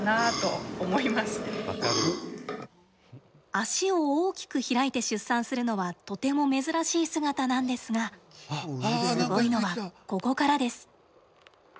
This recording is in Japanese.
足を大きく開いて出産するのはとても珍しい姿なんですがすごいのは、ここからです。